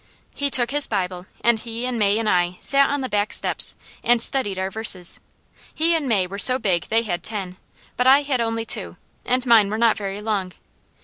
He took his Bible and he and May and I sat on the back steps and studied our verses. He and May were so big they had ten; but I had only two, and mine were not very long.